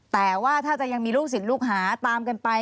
แต่ว่าถ้าจะยังมีลูกศิลปลูกหาตามกันไป